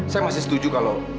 saya masih setuju kalau